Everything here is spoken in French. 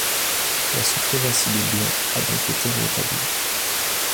La suprématie des blancs a donc été ré-établie.